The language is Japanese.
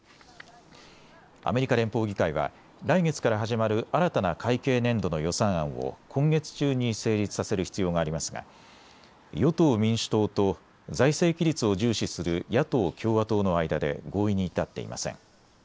アメリカ連邦議会は来月から始まる新たな会計年度の予算案を今月中に成立させる必要がありますが、与党・民主党と財政規律を重視する野党・共和党の間で合意に至っていません。